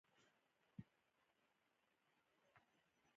ازادي راډیو د د کانونو استخراج پر وړاندې د حل لارې وړاندې کړي.